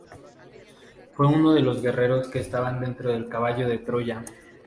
Fue uno de los guerreros que estaban dentro del Caballo de Troya.